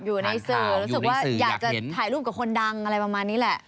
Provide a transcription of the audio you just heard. อยู่ในสื่อรู้สึกว่าอยากจะถ่ายรูปกับคนดังอะไรประมาณนี้แหละ